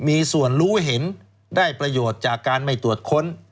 มีส่วนรู้เห็นได้ประโยชน์จากการไม่ตรวจค้น